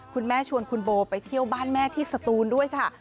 ชวนคุณโบไปเที่ยวบ้านแม่ที่สตูนด้วยค่ะ